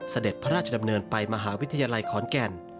เสด็จพระราชดำเนินไปมหาวิทยาลัยขอนแก่น